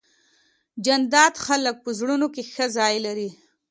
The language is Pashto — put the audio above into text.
جانداد د خلکو په زړونو کې ښه ځای لري.